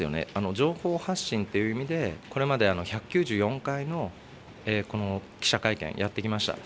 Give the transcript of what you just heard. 情報発信という意味で、これまで１９４回のこの記者会見、やってきました。